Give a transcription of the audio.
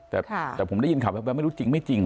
แต่ผมได้ยิ้นข่าวไม่รู้จริง